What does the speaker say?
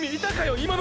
今の！！